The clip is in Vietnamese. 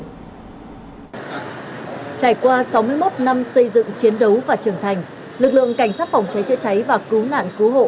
trải qua sáu mươi một năm xây dựng chiến đấu và trưởng thành lực lượng cảnh sát phòng cháy chữa cháy và cứu nạn cứu hộ